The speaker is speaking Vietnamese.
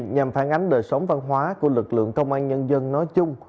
nhằm phản ánh đời sống văn hóa của lực lượng công an nhân dân nói chung